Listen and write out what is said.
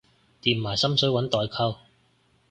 疊埋心水搵代購